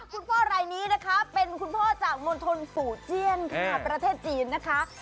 คุณพ่อรายนี้นะคะเป็นคุณพ่อจากมณฑลฝูเจียนค่ะประเทศจีนนะคะ